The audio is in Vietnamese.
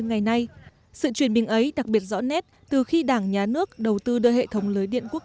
ngày nay sự chuyển bình ấy đặc biệt rõ nét từ khi đảng nhà nước đầu tư đưa hệ thống lưới điện quốc